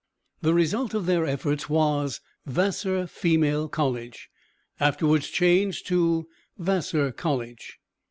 The result of their efforts was Vassar Female College, afterwards changed to Vassar College.